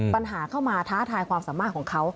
ปัญหาเข้ามาท้าทายความสามารถของเขา